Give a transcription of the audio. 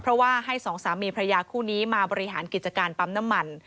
เพราะว่าให้สองสามีพระยาคู่นี้มาบริหารกิจการปั๊มน้ำมัน